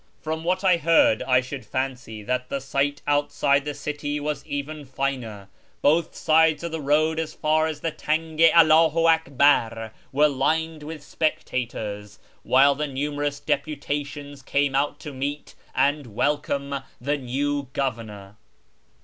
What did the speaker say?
From what I heard 1 should fancy that the sight outside the city was even finer. Both sides" of the road as fiir as the Tang i Allc'iMi Alcbar were lined with spectators, while numerous deputations came out to meet and welcome the o new governor.